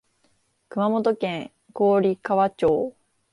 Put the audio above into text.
熊本県氷川町